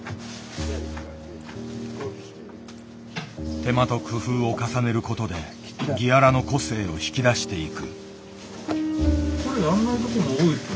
手間と工夫を重ねることでギアラの個性を引き出していく。